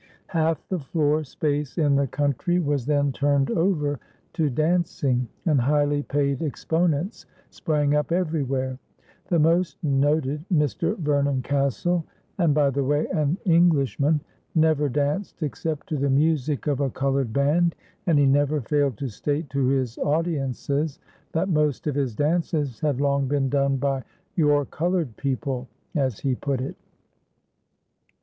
Half the floor space in the country was then turned over to dancing, and highly paid exponents sprang up everywhere. The most noted, Mr. Vernon Castle, and, by the way, an Englishman, never danced except to the music of a colored band, and he never failed to state to his audiences that most of his dances had long been done by "your colored people," as he put it.